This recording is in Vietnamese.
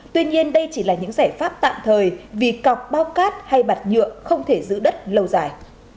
tuy nhiên đây chỉ là những giải pháp tạm thời vì cọc bao cát hay bạt nhựa không thể giữ đất lâu dài